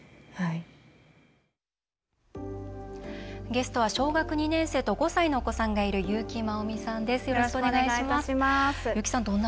ゲストは小学２年生と５歳のお子さんがいる優木まおみさんです。